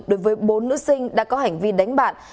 đối với bốn nữ sinh đã có hành vi đánh bạn